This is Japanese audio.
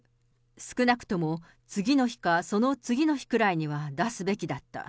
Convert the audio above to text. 少なくとも次の日か、その次の日くらいには出すべきだった。